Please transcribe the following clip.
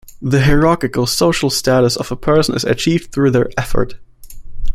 The hierarchical social status of a person is achieved through their effort.